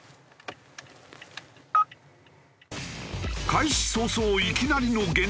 開始早々いきなりの減点。